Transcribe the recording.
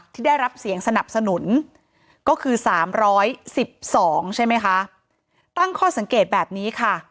ที่ได้รับเสียงสนับสนุนก็คือ๓๑๒ใช่ไหมคะตั้งข้อสังเกตแบบนี้ค่ะ